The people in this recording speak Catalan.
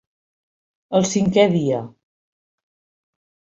El cinquè dia.